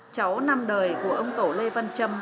cháu năm đời của ông tổ lê văn trâm